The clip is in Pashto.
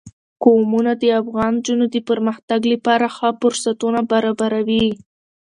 قومونه د افغان نجونو د پرمختګ لپاره ښه فرصتونه برابروي.